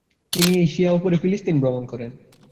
তিনি এশিয়া ও পরে ফিলিস্তিনে ভ্রমণ করেন।